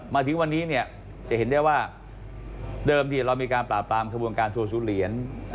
มาถึงวันนี้เนี่ยจะเห็นได้ว่าเดิมเรามีการปราบปรามขบวนการทัวร์ศูนย์เหรียญ